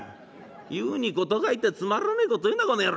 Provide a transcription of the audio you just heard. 言うに事欠いてつまらねえこと言うなこの野郎。